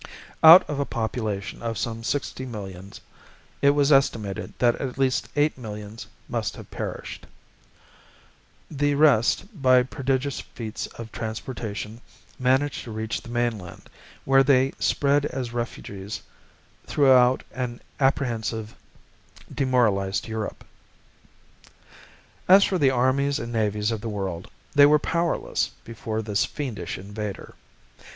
Out of a population, of some sixty millions, it was estimated that at least eight millions must have perished. The rest, by prodigious feats of transportation, managed to reach the mainland, where they spread as refugees throughout an apprehensive, demoralized Europe. As for the armies and navies of the world, they were powerless before this fiendish invader.